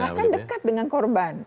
bahkan dekat dengan korban